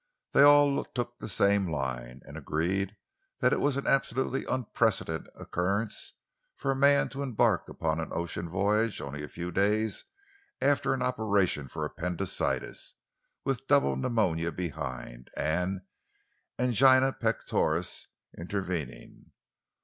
"They all took the same line, and agreed that it was an absolutely unprecedented occurrence for a man to embark upon an ocean voyage only a few days after an operation for appendicitis, with double pneumonia behind, and angina pectoris intervening.